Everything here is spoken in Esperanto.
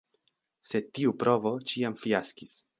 Sed tiu provo ĉiam fiaskis.